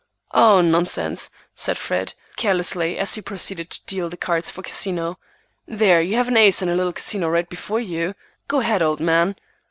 "Oh, nonsense!" said Fred, carelessly, as he proceeded to deal the cards for Casino. "There, you have an ace and little Casino right before you. Go ahead, old man!"